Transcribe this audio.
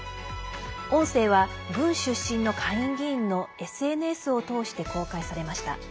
音声は軍出身の下院議員のＳＮＳを通して公開されました。